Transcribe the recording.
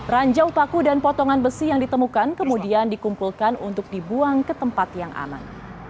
ranjau paku dan potongan besi yang ditemukan kemudian dikumpulkan untuk dibuang ke tempat yang aman